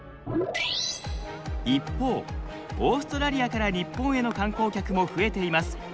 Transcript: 一方オーストラリアから日本への観光客も増えています。